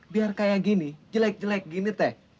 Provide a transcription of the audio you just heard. biar kayak gini jelek jelek gini teh